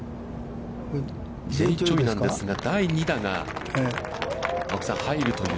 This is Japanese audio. Ｊ・チョイなんですが、第２打が青木さん、入るという。